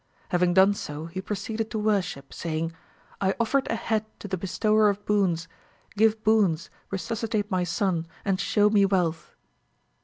Having done so, he proceeded to worship, saying: 'I offered a head to the bestower of boons. Give boons, resuscitate my son, and show me wealth.'